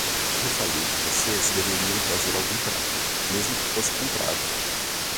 Eu falei que vocês deveriam trazer algum prato, mesmo que fosse comprado.